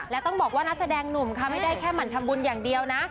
และต้องบอกว่านักแสดงหนุ่มค่ะไม่ได้แค่หมั่นทำบุญอย่างเดียวนะ